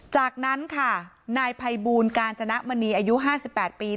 จากนั้นค่ะนายภัยบูลกาญจนมณีอายุ๕๘ปี